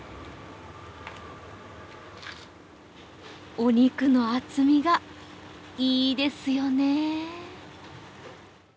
お肉の厚みがいいですよね。